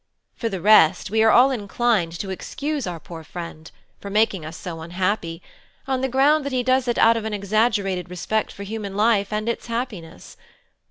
For the rest, we are all inclined, to excuse our poor friend for making us so unhappy, on the ground that he does it out of an exaggerated respect for human life and its happiness.